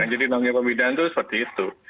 jadi namanya pembinaan itu seperti itu